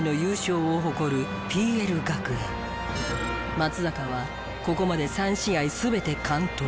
松坂はここまで３試合全て完投。